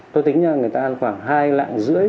tôi tính là người ta ăn khoảng hai lạng rưỡi